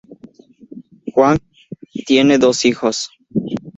Huang tiene dos hijos.